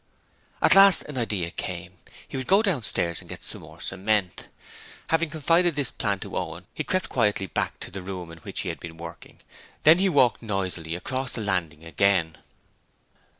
At last an idea came. He would go downstairs to get some more cement. Having confided this plan to Owen, he crept quietly back to the room in which he had been working, then he walked noisily across the landing again.